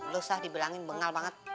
lu usah dibilangin bengal banget